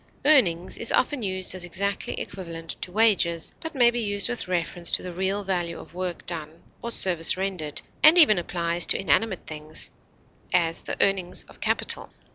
Earnings is often used as exactly equivalent to wages, but may be used with reference to the real value of work done or service rendered, and even applied to inanimate things; as, the earnings of capital.